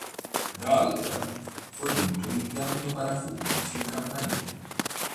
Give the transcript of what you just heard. Da allora fu aggiunto un impianto parafulmine sul Campanile.